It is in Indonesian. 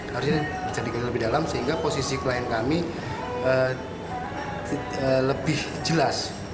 harusnya bisa dikatakan lebih dalam sehingga posisi klien kami lebih jelas